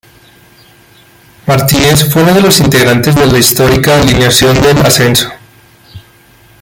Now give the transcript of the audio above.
Martínez fue uno de los integrantes de la histórica alineación del ascenso.